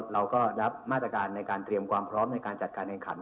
เราก็รับมาตรการในการเตรียมความพร้อมในการจัดการแข่งขัน